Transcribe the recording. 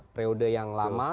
periode yang lama